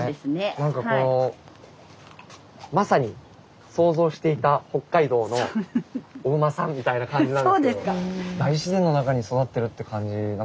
なんかこのまさに想像していた北海道のお馬さんみたいな感じなんですけど大自然の中に育ってるって感じ